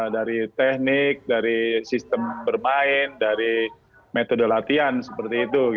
dari teknik dari sistem bermain dari metode latihan seperti itu